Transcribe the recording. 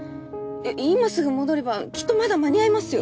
今すぐ戻ればきっとまだ間に合いますよ。